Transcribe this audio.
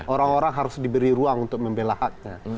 orang orang harus diberi ruang untuk membela haknya